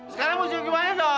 sekarang musim gimana sok